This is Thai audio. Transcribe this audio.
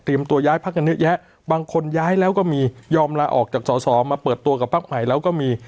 ตัวย้ายพักกันเยอะแยะบางคนย้ายแล้วก็มียอมลาออกจากสอสอมาเปิดตัวกับพักใหม่แล้วก็มี